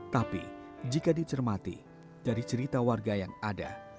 tapi jika dicermati dari cerita warga yang ada